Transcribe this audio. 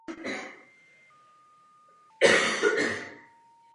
Kapela píseň hrála při téměř všech svých koncertních turné.